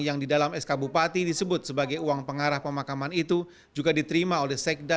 yang di dalam sk bupati disebut sebagai uang pengarah pemakaman itu juga diterima oleh sekda